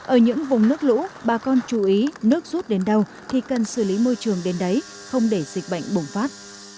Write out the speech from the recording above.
ở những vùng nước lũ bà con chú ý nước rút đến đâu thì cần xử lý môi trường đến đấy không để dịch bệnh bùng phát